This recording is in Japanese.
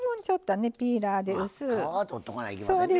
ちょっとピーラーで薄う。